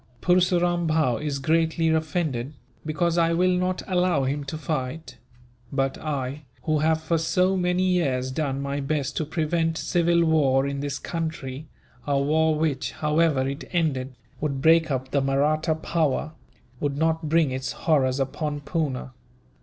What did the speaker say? "Purseram Bhow is greatly offended, because I will not allow him to fight; but I, who have for so many years done my best to prevent civil war in this country a war which, however it ended, would break up the Mahratta power would not bring its horrors upon Poona.